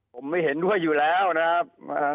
ผมไม่เห็นด้วยอยู่แล้วนะครับ